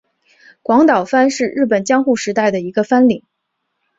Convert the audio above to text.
广岛藩是日本江户时代的一个藩领。